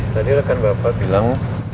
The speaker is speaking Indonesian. tadi rekan bapak bilang